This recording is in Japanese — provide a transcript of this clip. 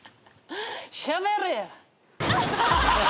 しゃべれや。